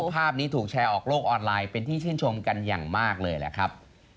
ภาพนี้ถูกแชร์ออกโลกออนไลน์เป็นที่ชื่นชมกันอย่างมากเลยแหละครับ